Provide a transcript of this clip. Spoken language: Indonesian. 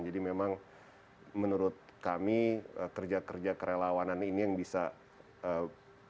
jadi memang menurut kami kerja kerja kerelawanan ini yang bisa berhasil